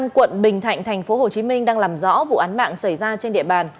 quận bình thạnh tp hcm đang làm rõ vụ án mạng xảy ra trên địa bàn